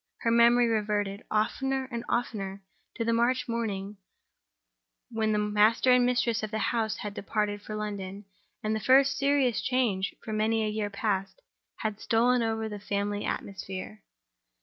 Her memory reverted, oftener and oftener, to the March morning when the master and mistress of the house had departed for London, and then the first serious change, for many a year past, had stolen over the family atmosphere.